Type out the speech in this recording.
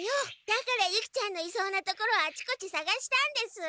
だからユキちゃんのいそうな所をあちこちさがしたんです。